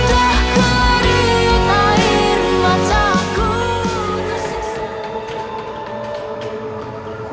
sepertinya aku menemukan mangsaku